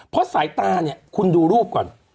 เพราะสายตาเนี่ยคุณดูรูปก่อน